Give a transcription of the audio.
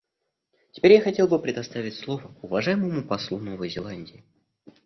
Теперь я хотел бы предоставить слово уважаемому послу Новой Зеландии.